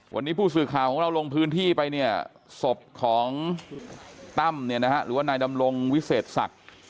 วันนี้ผู้สื่อข่าวของเราลงพื้นที่ไปเนี่ยศพของตั้มเนี่ยนะฮะหรือว่านายดำรงวิเศษศักดิ์